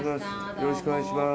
よろしくお願いします。